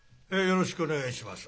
よろしくお願いします。